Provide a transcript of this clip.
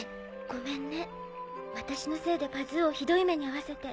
ごめんね私のせいでパズーをひどい目にあわせて。